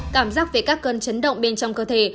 cảm giác về các cơn chấn động bên trong cơ thể